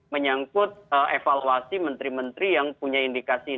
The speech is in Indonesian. menyangkut evaluasi menteri menteri yang punya indikasi